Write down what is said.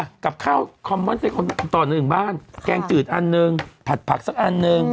อะกลับข้าวขอเม้นคนต่อหนึ่งบ้านครักแกงจืดอันหนึ่งผัดผักสักอันนึง